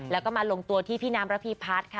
แล้วมาลงตัวที่พิ๊น้ำระพีผัชค่ะ